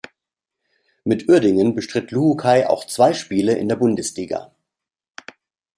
Mit Uerdingen bestritt Luhukay auch zwei Spiele in der Bundesliga.